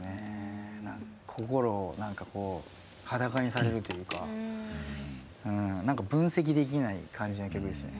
心を何かこう裸にされるというかうん。分析できない感じの曲ですね。